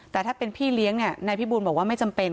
แต่ถ้าเป็นพี่เลี้ยงนายพิบูลบอกว่าไม่จำเป็น